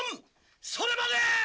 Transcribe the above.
それまで」